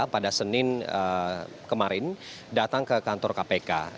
pada senin kemarin datang ke kantor kpk